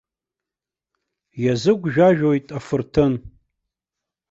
Иазыгәжәажәоит афырҭын.